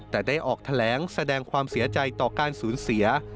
แต่ได้ออกแถลงแสดงความเสียใจต่อการสูญเสีย